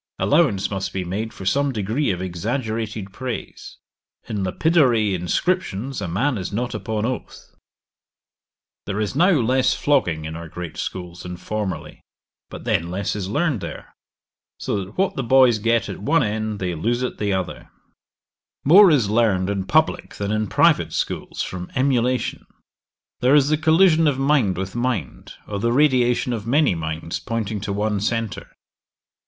Allowance must be made for some degree of exaggerated praise. In lapidary inscriptions a man is not upon oath.' 'There is now less flogging in our great schools than formerly, but then less is learned there; so that what the boys get at one end they lose at the other.' 'More is learned in publick than in private schools, from emulation; there is the collision of mind with mind, or the radiation of many minds pointing to one centre.